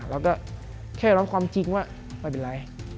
แล้วก็แค่ร้อนความจริงว่า